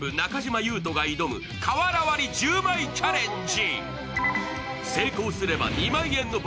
裕翔が挑む瓦割り１０枚チャレンジ。